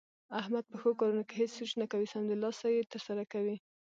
احمد په ښو کارونو کې هېڅ سوچ نه کوي، سمدلاسه یې ترسره کوي.